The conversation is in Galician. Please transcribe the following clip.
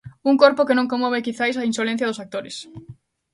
Un corpo ao que non conmove quizais a insolencia dos actores.